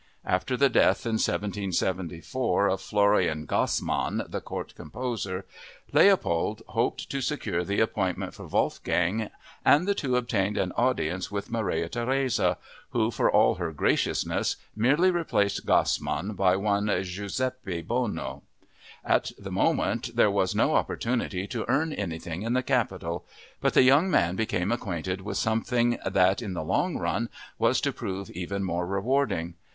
After the death in 1774 of Florian Gassmann, the court composer, Leopold hoped to secure the appointment for Wolfgang and the two obtained an audience with Maria Theresia, who, for all her graciousness, merely replaced Gassmann by one Giuseppe Bonno. At the moment there was no opportunity to earn anything in the capital; but the young man became acquainted with something that, in the long run, was to prove even more rewarding.